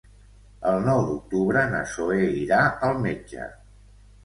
El nou d'octubre na Zoè irà al metge.